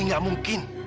ini gak mungkin